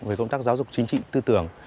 về công tác giáo dục chính trị tư tưởng